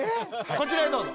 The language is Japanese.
こちらへどうぞ。